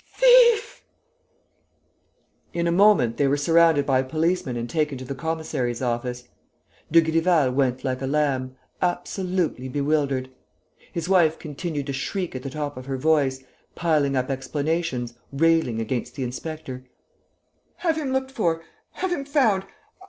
Thief ..." In a moment they were surrounded by policemen and taken to the commissary's office. Dugrival went like a lamb, absolutely bewildered. His wife continued to shriek at the top of her voice, piling up explanations, railing against the inspector: "Have him looked for!... Have him found!...